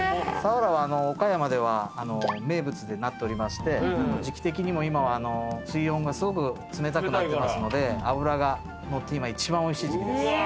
サワラは岡山では名物でなっておりまして時季的にも今は水温がすごく冷たくなってますので脂が乗って今一番おいしい時季です。